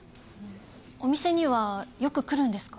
お店にはよく来るんですか？